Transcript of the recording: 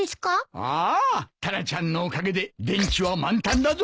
ああタラちゃんのおかげで電池は満タンだぞ。